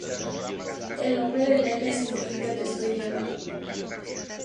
El nombre de la etnia significa "te estoy llamando".